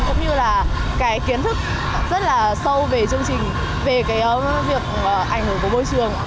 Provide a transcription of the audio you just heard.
cũng như là kiến thức rất sâu về chương trình về việc ảnh hưởng của môi trường